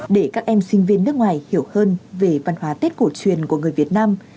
để các em sinh viên nước ngoài hiểu hơn về văn hóa tết cổ truyền của người việt nam